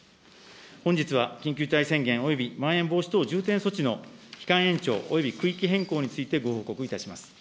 本日は緊急事態宣言およびまん延防止等重点措置の期間延長および区域変更についてご報告いたします。